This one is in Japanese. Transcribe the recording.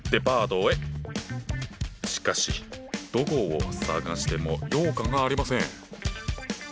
しかしどこを探しても羊羹がありません。